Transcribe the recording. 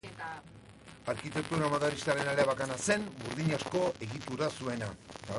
Arkitektura modernistaren ale bakana zen, burdinazko egitura zuena.